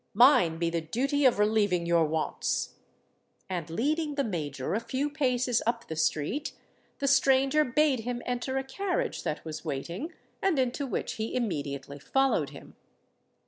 Mine be the duty of relieving your wants." And, leading the Major a few paces up the street, the stranger bade him enter a carriage that was waiting, and into which he immediately followed him.